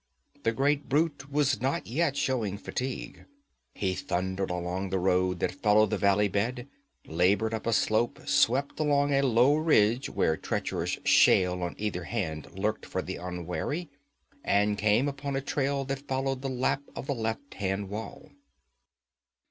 The great brute was not yet showing fatigue. He thundered along the road that followed the valley bed, labored up a slope, swept along a low ridge where treacherous shale on either hand lurked for the unwary, and came upon a trail that followed the lap of the left hand wall.